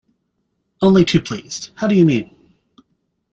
Only too pleased. How do you mean?